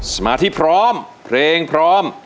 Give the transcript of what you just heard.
สมาธิพร้อมเพลงพร้อม